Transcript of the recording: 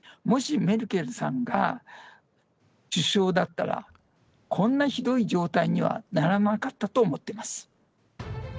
もしメルケルさんが首相だったら、こんなひどい状態にはならなかったと思ってます。